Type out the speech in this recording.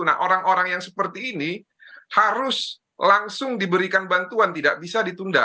nah orang orang yang seperti ini harus langsung diberikan bantuan tidak bisa ditunda